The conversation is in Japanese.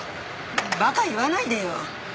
馬鹿言わないでよ！